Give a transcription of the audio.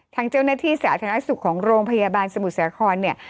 ทางเจ้าหน้าที่สาธารณสุขของโรงพยาบาลสมุทรสาครเนี่ย